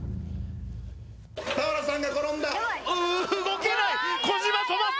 俵さんが転んだ動けない・